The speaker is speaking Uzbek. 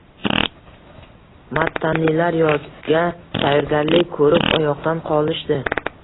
Mattanilar yozga tayyorgarlik ko`rib oyoqdan qolishdi